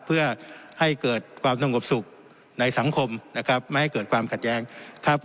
เพื่อให้เกิดความสงบสุขในสังคมนะครับไม่ให้เกิดความขัดแย้งครับ